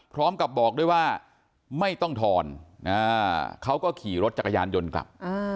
พร้อมกับบอกด้วยว่าไม่ต้องทอนเขาก็ขี่รถจักรยานยนต์กลับ